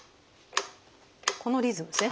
このリズムですね。